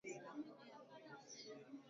hati inaweza kuwahusisha watazamaji na hadhira